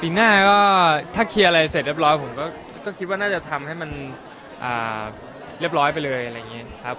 ปีหน้าก็ถ้าเคลียร์อะไรเสร็จเรียบร้อยผมก็คิดว่าน่าจะทำให้มันเรียบร้อยไปเลย